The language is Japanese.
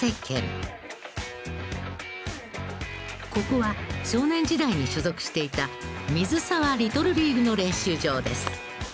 ここは少年時代に所属していた水沢リトルリーグの練習場です。